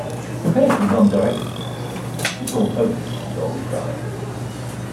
Compared with non-directive counseling, it's more focused and goal-directed.